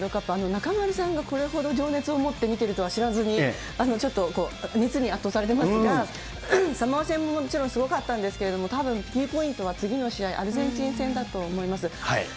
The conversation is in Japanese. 中丸さんがこれほど情熱を持って見てるとは知らずに、ちょっと熱に圧倒されてますが、サモア戦ももちろんすごかったんですけれども、たぶん、キーポイントは次の試合、アルゼンチン戦だと思います。